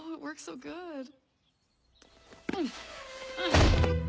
うん！